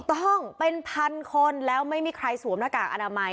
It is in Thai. ต้องเป็นพันคนแล้วไม่มีใครสวมหน้ากากอนามัย